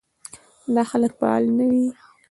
دا خلک فعال نه وي.